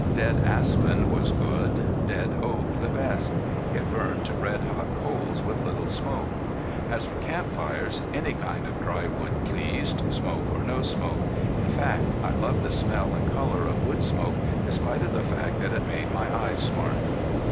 Dead aspen was good; dead oak the best. It burned to red hot coals with little smoke. As for camp fires, any kind of dry wood pleased, smoke or no smoke. In fact I loved the smell and color of wood smoke, in spite of the fact that it made my eyes smart.